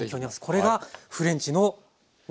これがフレンチの技。